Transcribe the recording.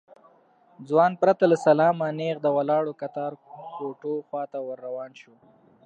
ځوان پرته له سلامه نېغ د ولاړو کتار کوټو خواته ور روان شو.